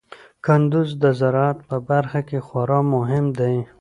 کندز د زراعت په برخه کې خورا مهم دی.